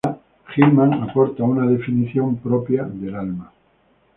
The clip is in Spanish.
Hillman aporta una definición propia del alma.